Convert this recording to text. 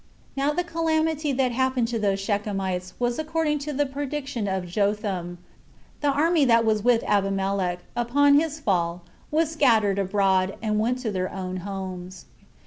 Now the calamity that happened to those Shechemites was according to the prediction of Jotham, However, the army that was with Abimelech, upon his fall, was scattered abroad, and went to their own homes.